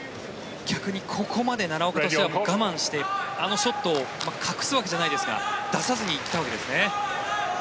逆にここまで奈良岡としては我慢してあのショットを隠すわけじゃないですが出さずにきたわけですね。